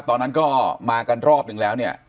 ตอนนั้นก็มากันรอบนึงแล้วเนี่ย